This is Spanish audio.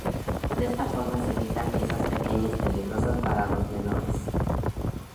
De esa forma se evita piezas pequeñas, peligrosas para los menores.